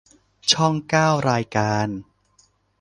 ช่องเก้า รายการ